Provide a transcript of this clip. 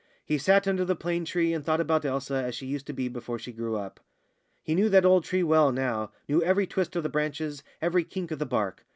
He sat under the plane tree and thought about Elsa as she used to be before she grew up. He knew that old tree well now, knew every twist of the branches, every kink of the bark.